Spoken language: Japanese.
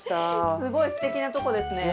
すごいすてきなとこですね。